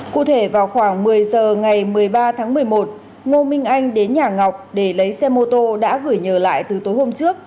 cụ thể vào khoảng một mươi giờ ngày một mươi ba tháng một mươi một ngô minh anh đến nhà ngọc để lấy xe mô tô đã gửi nhờ lại từ tối hôm trước